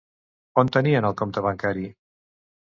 On tenien el compte bancari?